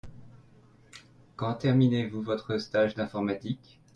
Quand terminez-vous votre stage d'informatique ?